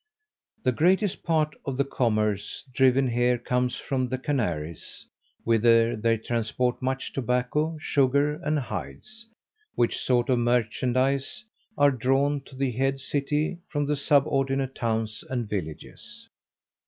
The greatest part of the commerce driven here comes from the Canaries, whither they transport much tobacco, sugar, and hides, which sort of merchandise are drawn to the head city from the subordinate towns and villages.